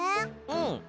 うん。